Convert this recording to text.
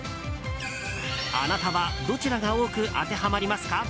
あなたはどちらが多く当てはまりますか？